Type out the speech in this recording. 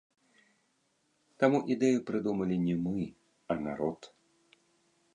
Таму ідэю прыдумалі не мы, а народ.